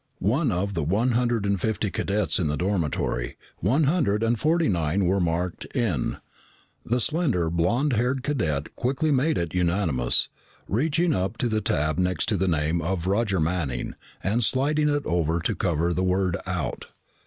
Out of the one hundred and fifty cadets in the dormitory, one hundred and forty nine were marked IN. The slender, blond haired cadet quickly made it unanimous, reaching up to the tab next to the name of Roger Manning and sliding it over to cover the word OUT.